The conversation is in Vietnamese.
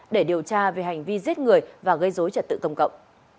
để điều tra về hành vi giết người và gây dối trật tự công cộng